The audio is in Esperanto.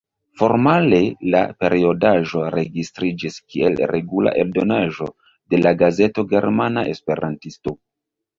Formale la periodaĵo registriĝis kiel regula aldonaĵo de la gazeto Germana Esperantisto.